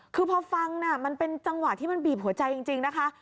คือพอฟังมันเป็นจังหวะที่มันบีบหัวใจจริงนะคะ